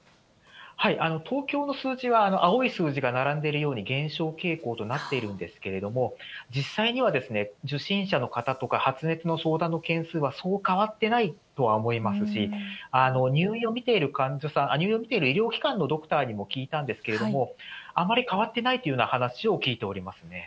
東京の数値は青い数字が並んでいるように、減少傾向となっているんですけれども、実際には、受診者の方とか発熱の相談の件数はそう変わってないとは思いますし、入院を診ている医療機関のドクターにも聞いたんですけれども、あまり変わってないというような話を聞いております。